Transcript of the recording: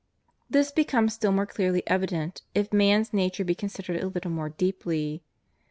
This becomes still more clearly evident if man's nature be considered a httle more deeply.